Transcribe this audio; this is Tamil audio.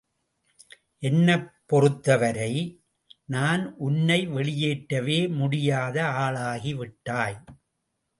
என்னைப் பொறுத்தவரை, நான் உன்னை வெளியேற்றவே முடியாத ஆளாகிவிட்டாய்!